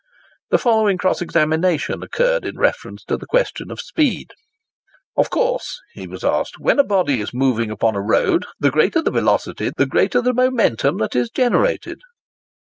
The following cross examination occurred in reference to the question of speed:— "Of course," he was asked, "when a body is moving upon a road, the greater the velocity the greater the momentum that is generated?"